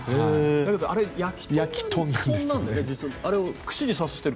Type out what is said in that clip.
だけどあれ焼き豚なんだよね？